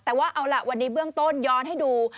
แต่ว่าเอาล่ะวันนี้เบื้องต้นย้อนให้ดู